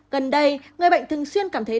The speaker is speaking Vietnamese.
gần đây người bệnh thường xuyên cảm thấy